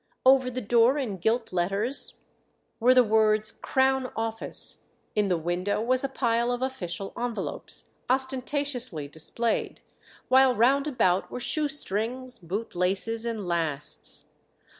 Over the door, in gilt letters, were the words "Crown Office"; in the window was a pile of official envelopes, ostentatiously displayed, while round about were shoe strings, boot laces, and lasts.